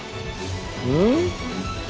うん？